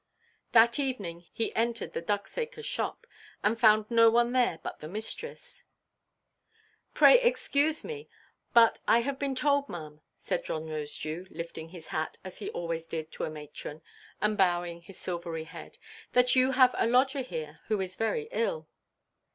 That evening he entered the Ducksacre shop, and found no one there but the mistress. "Pray excuse me, but I have been told, maʼam," said John Rosedew, lifting his hat—as he always did to a matron—and bowing his silvery head, "that you have a lodger here who is very ill."